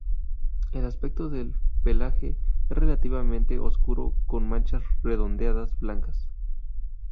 El aspecto del pelaje es relativamente oscuro con manchas redondeadas blancas.